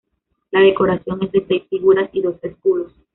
La decoración es de seis figuras y dos escudos.